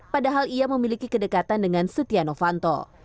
padahal ia memiliki kedekatan dengan setia novanto